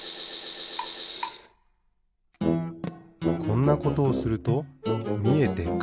こんなことをするとみえてくる。